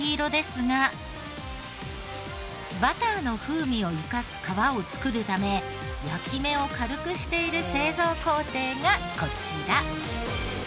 バターの風味を生かす皮を作るため焼き目を軽くしている製造工程がこちら。